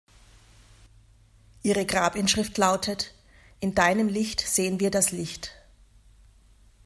Ihre Grabinschrift lautet: „In Deinem Licht sehen wir das Licht“.